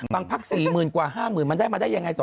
บางพัก๔๐หมื่นกว่า๕๐มาได้ยังไง